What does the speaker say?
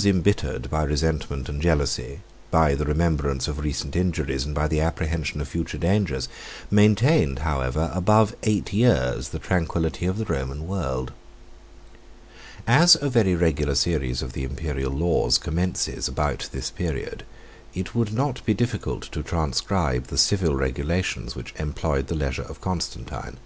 ] The reconciliation of Constantine and Licinius, though it was imbittered by resentment and jealousy, by the remembrance of recent injuries, and by the apprehension of future dangers, maintained, however, above eight years, the tranquility of the Roman world. As a very regular series of the Imperial laws commences about this period, it would not be difficult to transcribe the civil regulations which employed the leisure of Constantine.